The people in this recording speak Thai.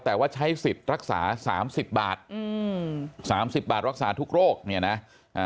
แต่ว่าใช้สิทธิ์รักษาสามสิบบาทอืมสามสิบบาทรักษาทุกโรคเนี่ยนะอ่า